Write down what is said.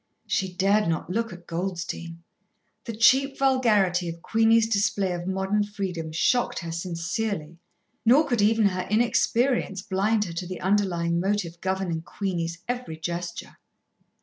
She dared not look at Goldstein. The cheap vulgarity of Queenie's display of modern freedom shocked her sincerely, nor could even her inexperience blind her to the underlying motive governing Queenie's every gesture.